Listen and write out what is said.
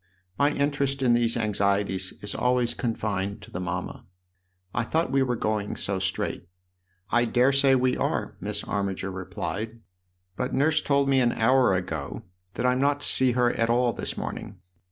" My interest in these anxieties is always confined to the mamma. I thought we were going so straight." " I dare say we are," Miss Armiger replied. " But Nurse told me an hour ago that I'm not to see her at all this morning.